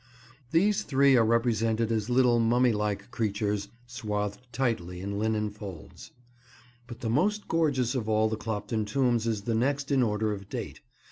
These three are represented as little mummy like creatures, swathed tightly in linen folds. But the most gorgeous of all the Clopton tombs is the next in order of date.